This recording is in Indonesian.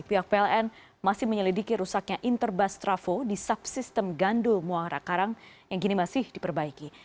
pihak pln masih menyelidiki rusaknya interbas trafo di subsistem gandul muara karang yang kini masih diperbaiki